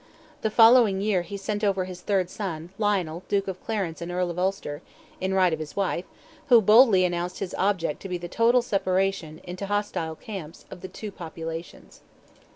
The following year he sent over his third son, Lionel, Duke of Clarence and Earl of Ulster, (in right of his wife,) who boldly announced his object to be the total separation, into hostile camps, of the two populations.